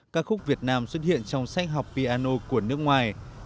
các khúc việt nam xuất hiện trong sách học piano của nước ngoài